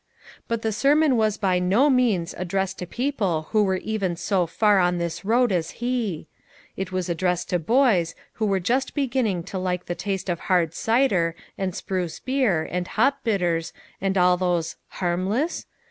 But the sermon was by no means addressed to people who were even so far on this road as he. It was addressed to boys, who were just beginning to like the taste of hai d cider, and spruce beer, and hop bitters, and all those harmless